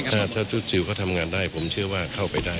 ถ้าชุดซิลเขาทำงานได้ผมเชื่อว่าเข้าไปได้